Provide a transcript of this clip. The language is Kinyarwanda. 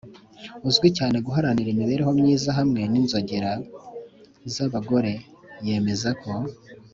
uzwi cyane mu guharanira imibereho myiza hamwe n’inzogera z’abagore yemeza ko,